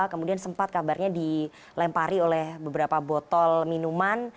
kemudian sempat kabarnya dilempari oleh beberapa botol minuman